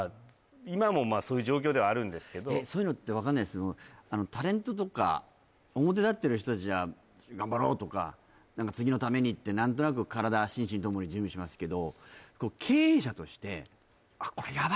今もまあそういう状況ではあるんですけどそういうのって分かんないんですけどタレントとか表立ってる人達は頑張ろうとか次のためにって何となく体心身共に準備しますけどはあ